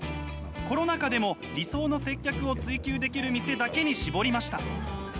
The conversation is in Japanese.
コロナ禍でも理想の接客を追求できる店だけに絞りました。